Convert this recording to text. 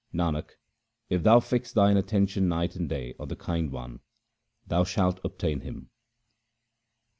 Nanak, if thou fix thine attention night and day on the Kind One, thou shalt obtain Him.